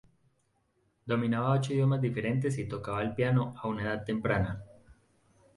Dominaba ocho idiomas diferentes y tocaba el piano a una edad temprana.